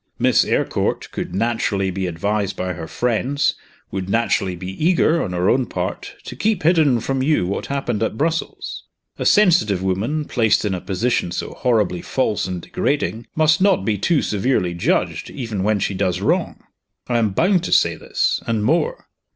Miss Eyrecourt would naturally be advised by her friends, would naturally be eager, on her own part, to keep hidden from you what happened at Brussels. A sensitive woman, placed in a position so horribly false and degrading, must not be too severely judged, even when she does wrong. I am bound to say this and more.